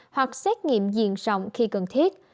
hoặc xét nghiệm diện rộng khi cần thiết